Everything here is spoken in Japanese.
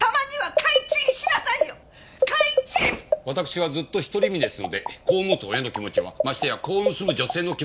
わたくしはずっと独り身ですので子を持つ親の気持ちはましてや子を盗む女性の気持ちは全く。